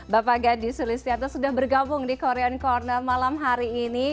bapak gadi sulistianto sudah bergabung di korean corner malam hari ini